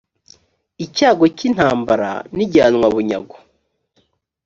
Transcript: icyago cy’intambara n’ijyanwabunyago